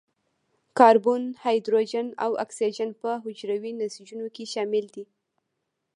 کاربن، هایدروجن او اکسیجن په حجروي نسجونو کې شامل دي.